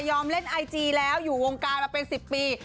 เล่นไอจีแล้วอยู่วงการมาเป็น๑๐ปี